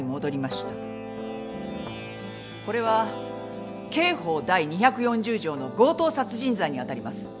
これは刑法第２４０条の強盗殺人罪にあたります。